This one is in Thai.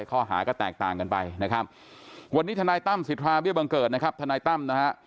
ท่อหาก็แตกต่างกันไปนะครับวันนี้ทนตั้มสิทธาเบี้ยวบังเกิดทนตั้ม